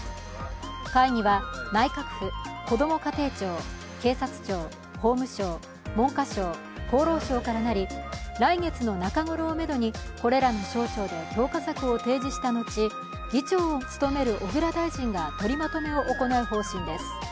会議は内閣府、こども家庭庁、警察庁、法務省、文科省、厚労省からなり来月の中頃をめどにこれらの省庁で強化策を提示した後、議長を務める小倉大臣が取りまとめを行う方針です。